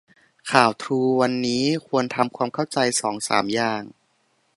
ข่าวทรูวันนี้ควรทำความเข้าใจสองสามอย่าง